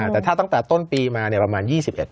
แต่ถ้าตั้งแต่ต้นปีมาเนี่ยประมาณ๒๑